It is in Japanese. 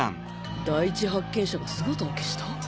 第一発見者が姿を消した？